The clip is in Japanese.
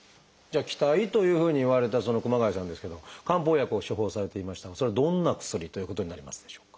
気滞というふうに言われた熊谷さんですけど漢方薬を処方されていましたがそれはどんな薬ということになりますでしょうか？